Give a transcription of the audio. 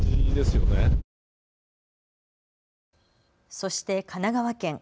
そして、神奈川県。